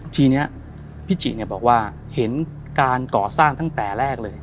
ทีนี้พี่จิบอกว่าเห็นการก่อสร้างตั้งแต่แรกเลย